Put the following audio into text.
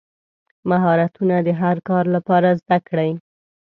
مهارتونه د هر کار لپاره زده کړئ.